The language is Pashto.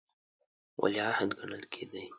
ولیعهد ګڼل کېدی.